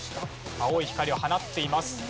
青い光を放っています。